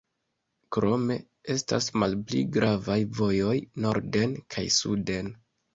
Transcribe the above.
Krome estas malpli gravaj vojoj norden kaj suden.